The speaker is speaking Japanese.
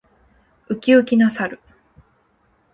ウキウキな猿。